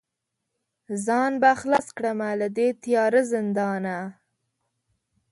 ځان به خلاص کړمه له دې تیاره زندانه